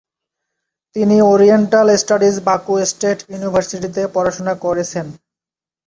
তিনি oriental studies Baku state ইউনিভার্সিটিতে পড়াশোনা করেছেন।